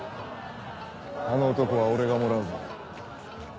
あの男は俺がもらうぞ。